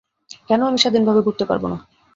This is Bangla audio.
আমি কেন স্বাধীনভাবে ঘুরতে পারবো না?